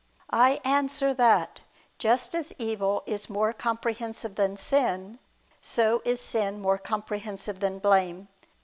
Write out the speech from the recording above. I answer that, Just as evil is more comprehensive than sin, so is sin more comprehensive than blame.